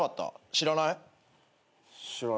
知らない？